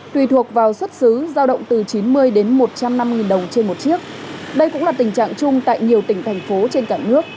tùy thuộc vào xuất xứ giao động từ chín mươi đến một trăm năm mươi đồng trên một chiếc đây cũng là tình trạng chung tại nhiều tỉnh thành phố trên cả nước